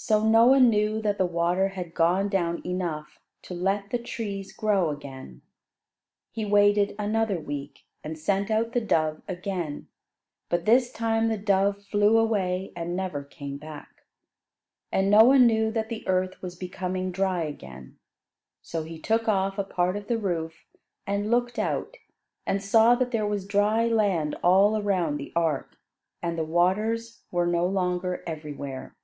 So Noah knew that the water had gone down enough to let the trees grow again. He waited another week, and sent out the dove again; but this time the dove flew away and never came back. And Noah knew that the earth was becoming dry again. So he took off a part of the roof, and looked out, and saw that there was dry land all around the ark, and the waters were no longer everywhere.